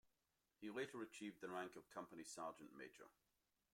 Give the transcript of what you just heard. He later achieved the rank of Company Sergeant Major.